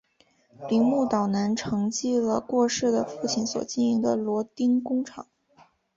铃木岛男承继了过世的父亲所经营的螺钉工厂。